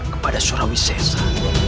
kepada surawi sesa